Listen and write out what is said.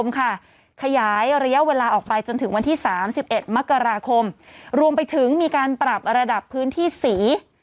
ขยายระยะเวลาออกไปจนถึงวันที่๓๑มกราคมรวมไปถึงมีการปรับระดับพื้นที่สี